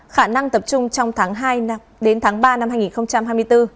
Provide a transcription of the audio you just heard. khả năng tập trung trong tháng hai đến tháng ba năm hai nghìn hai mươi bốn